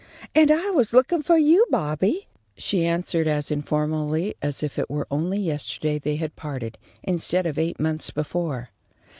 "And I was looking for you, Bobby," she answered, as informally as if it were only yesterday they had parted, instead of eight months before.